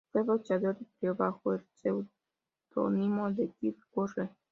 Fue boxeador y peleó bajo el seudónimo de Kid Curley.